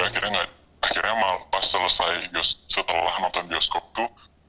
terus dia akhirnya pas selesai setelah menonton bioskop itu